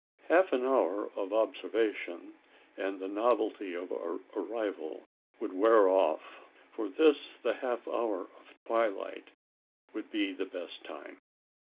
Half an hour of observation, and the novelty of our arrival would wear off. For this the half hour of twilight would be the best time.